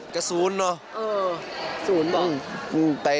ก็๐เนอะ